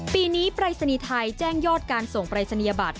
ปีนี้ปรายศนีย์ไทยแจ้งยอดการส่งปรายศนียบัตร